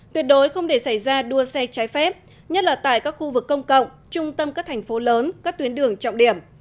tuyệt đối không để xảy ra đua xe trái phép nhất là tại các khu vực công cộng trung tâm các thành phố lớn các tuyến đường trọng điểm